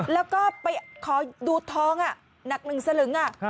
แล้วก็ไปขอดูทองนักหนึ่งสลึง